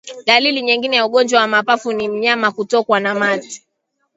Dalili nyingine ya ugonjwa wa mapafu ni mnyama kutokwa na mate